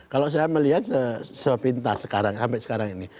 kalau saya melihat sepintas sekarang sampai sekarang ini